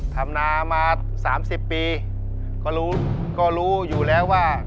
ทำนามาสามสิบปีก็รู้ก็รู้อยู่แล้วว่า